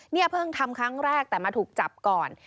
เพิ่งทำครั้งแรกแต่มาถูกจับก่อน